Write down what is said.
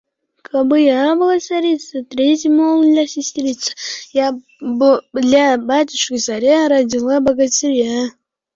So`ng Yulduzni chaqirishdi